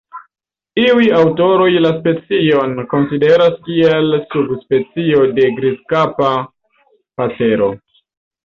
Iuj aŭtoroj la specion konsideras kiel subspecio de Grizkapa pasero.